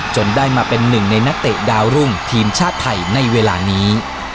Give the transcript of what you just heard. จนได้มาเป็นหนึ่งในนักเตะดาวรุ่งทีมชาติไทยในเวลานี้